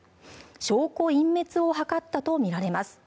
証拠隠滅を図ったとみられます。